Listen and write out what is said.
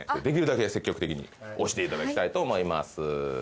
できるだけ積極的に押していただきたいと思います。